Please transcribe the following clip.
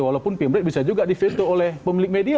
walaupun pimret bisa juga di fitur oleh pemilik media